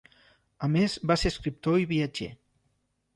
A més va ser escriptor i viatger.